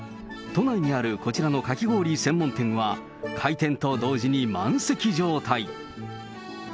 都内にあるこちらのかき氷専門店は、開店と同時に満席状態。